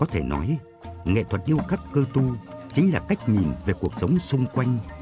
có thể nói nghệ thuật điêu khắc cơ tu chính là cách nhìn về cuộc sống xung quanh